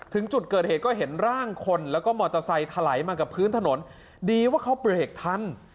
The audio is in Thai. ถึงจุดเกิดเหตุก็เห็นร่างคนแล้วก็มอเตอร์ไซค์ถลายมากับพื้นถนนดีว่าเขาเบรกทัน